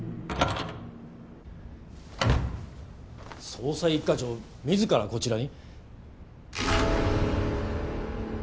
捜査一課長自らこちらに？